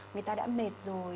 người ta đã mệt rồi